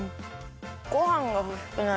ごはんがほしくなる。